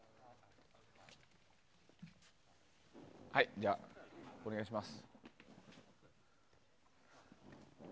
じゃあ、お願いします。